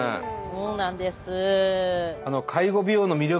そうなんです。